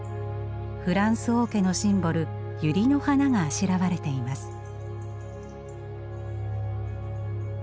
フランス王家のシンボルユリの花があしらわれています。